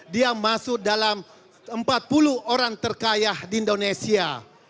dia masuk dalam empat puluh orang terkaya di indonesia